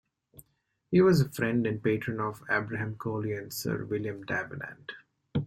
He was a friend and patron of Abraham Cowley and Sir William Davenant.